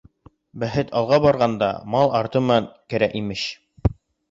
Бәхет алға барғанда, мал арты менән керә, имеш.